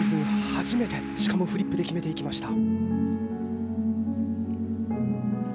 初めてしかもフリップで決めていきました。